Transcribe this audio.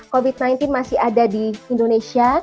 covid sembilan belas masih ada di indonesia